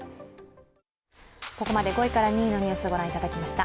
ここまで５位から２位のニュースご覧いただきました。